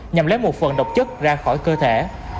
nhằm lấy một phần độc chất ra khỏi cơ thể